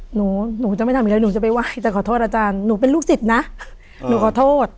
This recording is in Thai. หนูหนูจะไม่ทำอีกแล้วหนูจะไปไหว้แต่ขอโทษอาจารย์หนูเป็นลูกศิษย์นะหนูขอโทษ